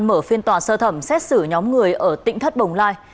mở phiên tòa sơ thẩm xét xử nhóm người ở tỉnh thất bồng lai